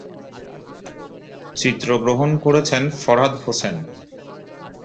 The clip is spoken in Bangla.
চিত্র গ্রহণ করছেন ফরহাদ হোসেন।